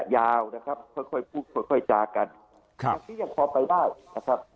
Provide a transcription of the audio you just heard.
ยาวนะครับค่อยพูดค่อยจากันอันนี้ยังพอไปได้นะครับ